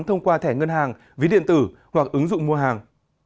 thông qua thẻ ngân hàng ví điện tử hoặc ứng dụng mua hàng